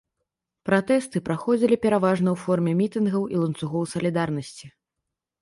Пратэсты праходзілі пераважна ў форме мітынгаў і ланцугоў сілідарнасці.